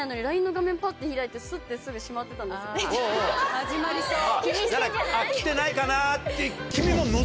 始まりそう。